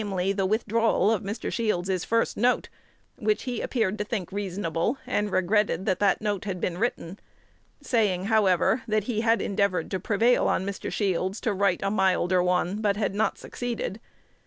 the withdrawal of Mr. Shields's first note; which he appeared to think reasonable, and regretted that the note had been written, saying, however, that he had endeavored to prevail on Mr. Shields to write a milder one, but had not succeeded.